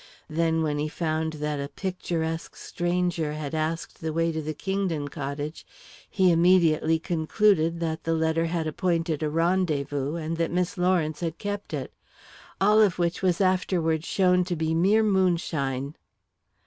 Then, when he found that a picturesque stranger had asked the way to the Kingdon cottage, he immediately concluded that the letter had appointed a rendezvous, and that Miss Lawrence had kept it. All of which was afterwards shown to be mere moonshine."